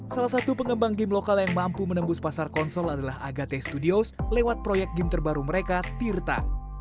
salah satu pengembang game lokal yang mampu menembus pasar konsol adalah agate studios lewat proyek game terbaru mereka tirta